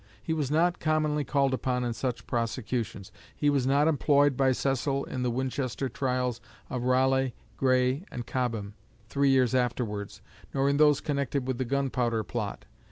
He was not commonly called upon in such prosecutions. He was not employed by Cecil in the Winchester trials of Raleigh, Grey, and Cobham, three years afterwards, nor in those connected with the Gunpowder Plot.